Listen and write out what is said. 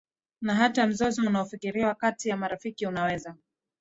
Na hata mzozo unaofikiriwa kati ya marafiki unaweza